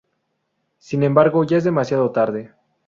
Sin embargo ya es demasiado tarde.